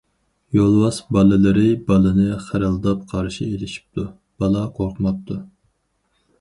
يولۋاس بالىلىرى بالىنى خىرىلداپ قارشى ئېلىشىپتۇ، بالا قورقماپتۇ.